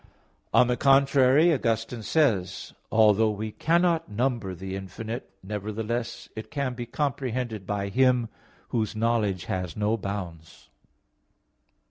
On the contrary, Augustine says (De Civ. Dei xii), "Although we cannot number the infinite, nevertheless it can be comprehended by Him whose knowledge has no bounds."